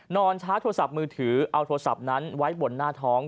ชาร์จโทรศัพท์มือถือเอาโทรศัพท์นั้นไว้บนหน้าท้อง